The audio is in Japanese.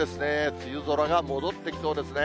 梅雨空が戻ってきそうですね。